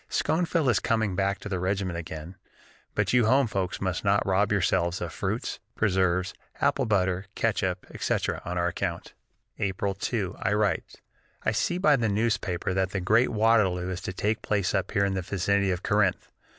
Schoenfield is coming back to the regiment again, but you home folks must not rob yourselves of fruits, preserves, apple butter, catsup, etc., on our account!" On April 2 I write: "I see by the newspapers that the great Waterloo is to take place up here in the vicinity of Corinth.